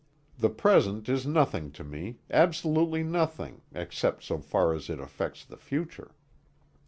"The present is nothing to me, absolutely nothing, except so far as it affects the future."